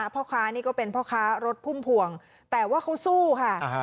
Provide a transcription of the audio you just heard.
พ่อค้านี่ก็เป็นพ่อค้ารถพุ่มพวงแต่ว่าเขาสู้ค่ะ